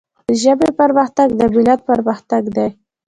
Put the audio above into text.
د ژبي پرمختګ د ملت پرمختګ دی.